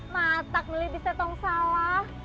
matak melibisnya tong salah